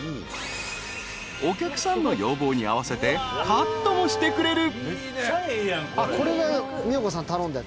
［お客さんの要望に合わせてカットもしてくれる］